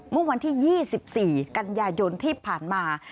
เมื่อวันที่๒๔กันยายนที่ผ่านมา